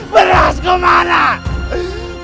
berasku mana berasku mana